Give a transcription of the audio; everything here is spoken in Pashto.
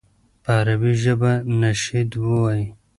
په عربي ژبه نشید ووایي.